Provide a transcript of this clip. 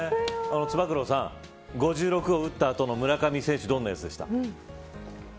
つば九郎さん、５６号を打った後の村上選手どんな様子でした。